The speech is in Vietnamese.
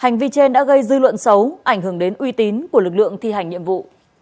hành vi trên đã gây dư luận xấu ảnh hưởng đến uy tín của lực lượng thi hành nhiệm vụ